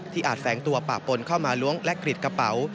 ที่อาจแฟ้งตัวปากปนเข้ามารวงและกรีดกระเป๋า